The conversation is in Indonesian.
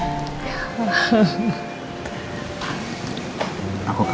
ya rena sama